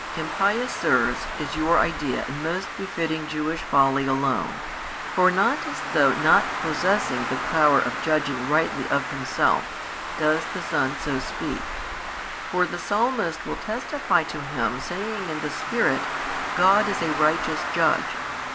Impious, sirs, is your idea and most befitting Jewish folly alone, for not as though not possessing the power of judging rightly of Himself, does the Son so speak; for the Psalmist will testify to Him saying in the Spirit, God is a Righteous Judge.